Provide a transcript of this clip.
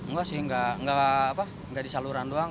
enggak sih enggak apa enggak di saluran doang